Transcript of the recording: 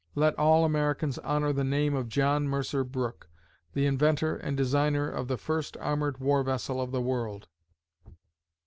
Let all Americans honor the name of JOHN MERCER BROOKE, the inventor and designer of the first armored war vessel of the world.